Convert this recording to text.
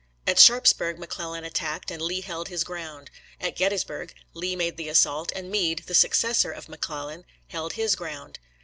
At Sharps burg McClellan attacked, and Lee held his ground; at Gettysburg, Lee made the assault, and Meade, the successor of McClellan, held his ground.